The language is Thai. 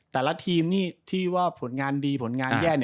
แต่ละทีมที่ว่าผลงานดีผลงานแย่